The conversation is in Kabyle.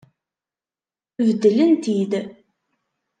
Beddlen-t-id.